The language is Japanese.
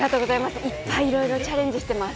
いっぱい、いろいろとチャレンジしてます。